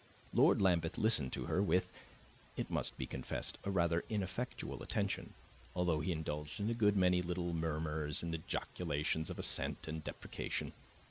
Lord Lambeth listened to her with, it must be confessed, a rather ineffectual attention, although he indulged in a good many little murmurs and ejaculations of assent and deprecation.